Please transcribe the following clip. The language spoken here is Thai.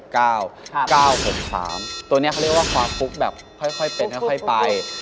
เขาเรียกว่าความฟลุกแบบค่อยเป็นค่อยไป